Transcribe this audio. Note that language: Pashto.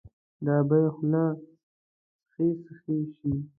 د ابۍ خوله سخي، سخي شي